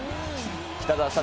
北澤さん